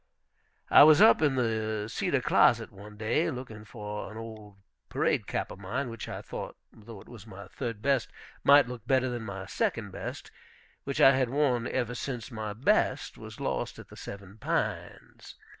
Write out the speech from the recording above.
I was up in the cedar closet one day, looking for an old parade cap of mine, which, I thought, though it was my third best, might look better than my second best, which I had worn ever since my best was lost at the Seven Pines.